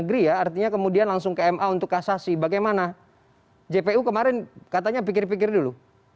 jadi kalau dikira kira ya artinya kemudian langsung ke ma untuk kasasi bagaimana jpu kemarin katanya pikir pikir dulu